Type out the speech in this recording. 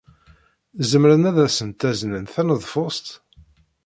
Zemren ad asent-aznen taneḍfust?